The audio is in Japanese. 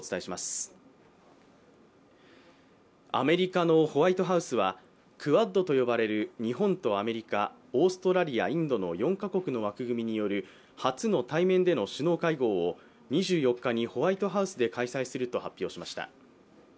アメリカのホワイトハウスは、クアッドと呼ばれる日本とアメリカ、オーストラリア、インドの４か国の枠組みによる初の対面での首脳会合を２４日にホワイトハウスで開催すると発表しました。